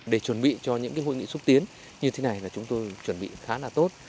để chuẩn bị cho những hội nghị xúc tiến như thế này là chúng tôi chuẩn bị khá là tốt